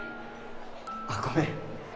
あっごめん